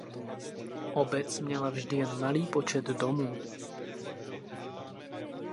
Obec měla vždy jen malý počet domů.